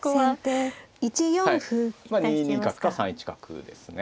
２二角か３一角ですね。